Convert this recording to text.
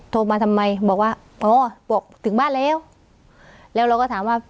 โทรมาทำไมบอกว่าอ๋อบอกถึงบ้านแล้วแล้วเราก็ถามว่า